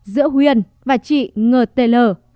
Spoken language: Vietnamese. giữa huyên và chị ngtl